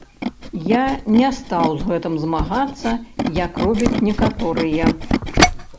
Я не стаў з гэтым змагацца, як робяць некаторыя.